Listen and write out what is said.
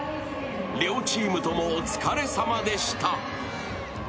両チームともお疲れさまでした。